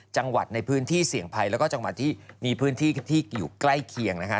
จังหวัดในพื้นที่เสี่ยงภัยแล้วก็จังหวัดที่มีพื้นที่ที่อยู่ใกล้เคียงนะฮะ